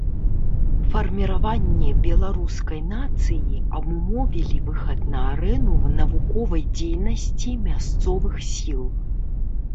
Фарміраванне беларускай нацыі абумовілі выхад на арэну навуковай дзейнасці мясцовых сіл.